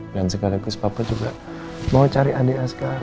dan sekaligus papa juga mau cari adik asgara